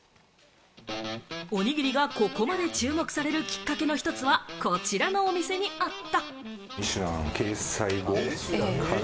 おにぎりがここまで注目されるきっかけの一つは、こちらのお店にあった。